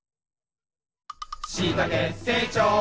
「しいたけ成長」